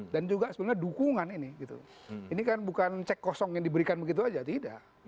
dan juga sebenarnya dukungan ini ini kan bukan cek kosong yang diberikan begitu saja tidak